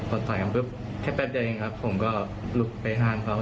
พอสลายกันแปปเดียวนี้ผมก็ลุกไปทานเขา